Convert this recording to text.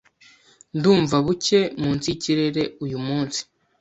Ndumva buke munsi yikirere uyu munsi.